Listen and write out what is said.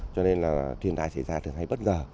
cho nên là thiên tai xảy ra thường hay bất ngờ